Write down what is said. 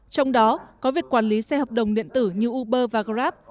trong đó có việc quản lý xe hợp đồng điện tử như uber và grab